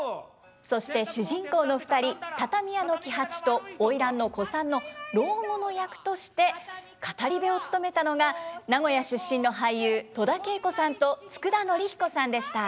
そして主人公の２人畳屋の喜八と花魁の小さんの老後の役として語り部を務めたのが名古屋出身の俳優戸田恵子さんと佃典彦さんでした。